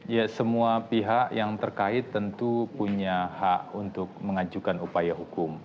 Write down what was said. ya semua pihak yang terkait tentu punya hak untuk mengajukan upaya hukum